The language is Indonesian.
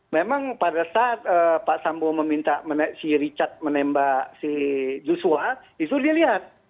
memang pada saat pak sambo meminta si richard menembak si joshua justru dia lihat